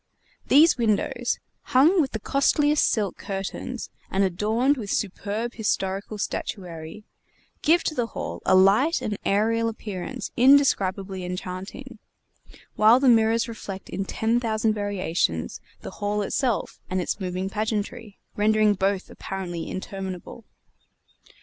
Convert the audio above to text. These windows, hung with the costliest silk curtains and adorned with superb historical statuary, give to the hall a light and aërial appearance indescribably enchanting; while the mirrors reflect in ten thousand variations the hall itself and its moving pageantry, rendering both apparently interminable.